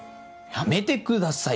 やめてくださいよ。